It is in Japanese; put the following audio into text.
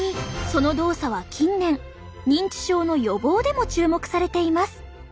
その動作は近年認知症の予防でも注目されています。